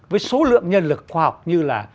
với số lượng nhân lực khoa học như là